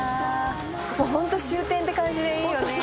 ここホント終点って感じでいいよね。